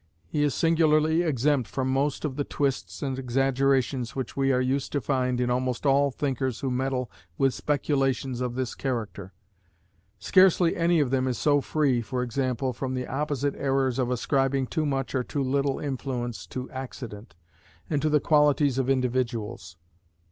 He is singularly exempt from most of the twists and exaggerations which we are used to find in almost all thinkers who meddle with speculations of this character. Scarcely any of them is so free (for example) from the opposite errors of ascribing too much or too little influence to accident, and to the qualities of individuals.